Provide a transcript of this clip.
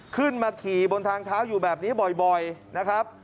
ขึ้นมาขี่บนทางเท้าอยู่แบบนี้บ่อยนะครับ